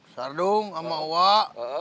sardung sama wak